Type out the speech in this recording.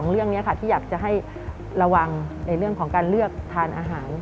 เรื่องนี้ค่ะที่อยากจะให้ระวังในเรื่องของการเลือกทานอาหาร